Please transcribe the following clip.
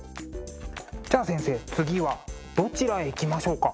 じゃあ先生次はどちらへ行きましょうか？